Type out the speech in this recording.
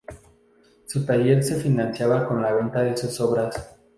Su taller se financiaba con la venta de sus obras.